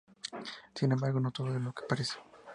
Sin embargo, no todo es lo que parece.